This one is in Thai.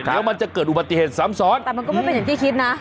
เดี๋ยวมันจะเกิดอุบัติเหตุซ้ำซ้อนแต่มันก็ไม่เป็นอย่างที่คิดนะ